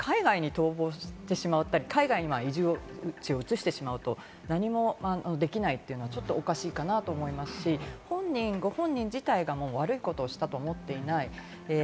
海外に逃亡したり、移住地を移してしまうと何もできないというのはちょっとおかしいかなと思いますし、ご本人自体が悪いことをしたと思っていない。